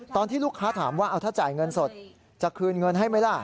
ตอนที่ลูกค้าถามว่าเอาถ้าจ่ายเงินสดจะคืนเงินให้ไหมล่ะ